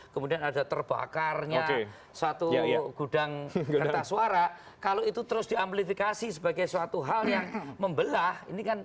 kemudian ada terbakarnya suatu gudang kertas suara kalau itu terus diamplifikasi sebagai suatu hal yang membelah